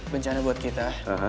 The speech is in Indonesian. bencana buat kita